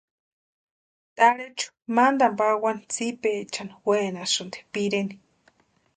Tʼarhechu mantani pawani tsipaechani wenasïnti pireni.